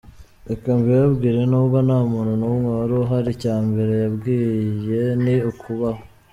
Reka mbibabwire nubwo nta muntu n’umwe wari uhari, icyambere yambwiye ni ukubaho.